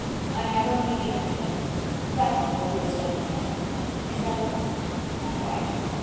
I have only need of a cloak. That one will do as well as another." "Is that all?" "Not quite.